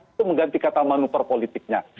itu mengganti kata manuver politiknya